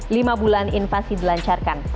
lima bulan invasi dilancarkan